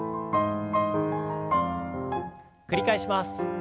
繰り返します。